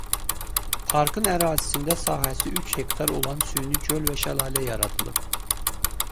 Parkın ərazisində sahəsi üç hektar olan süni göl və şəlalə yaradılıb.